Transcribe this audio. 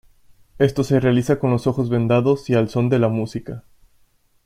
Esto se realiza con los ojos vendados y al son de la música.